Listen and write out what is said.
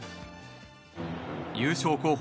優勝候補